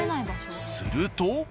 すると。